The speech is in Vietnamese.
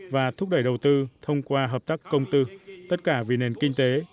và thúc đẩy đầu tư thông qua hợp tác công tư tất cả vì nền kinh tế